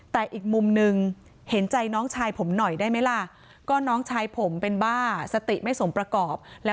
แต่อีกมุมนึงเห็นใจน้องชายผมหน่อยได้ไม้ล่ะ